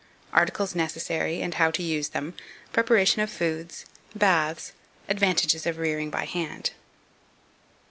Articles necessary, and how to use them, Preparation of Foods. Baths. Advantages of Rearing by Hand.